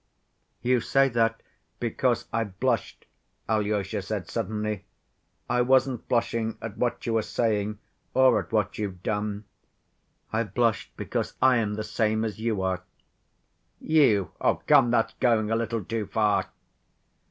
"You say that because I blushed," Alyosha said suddenly. "I wasn't blushing at what you were saying or at what you've done. I blushed because I am the same as you are." "You? Come, that's going a little too far!"